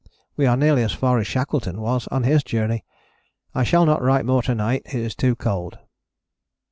We are nearly as far as Shackleton was on his Journey. I shall not write more to night, it is too cold.